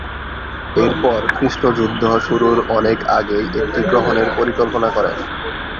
এরপর কৃষ্ণ যুদ্ধ শুরুর অনেক আগেই একটি গ্রহণের পরিকল্পনা করেন।